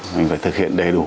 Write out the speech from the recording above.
mình phải thực hiện đầy đủ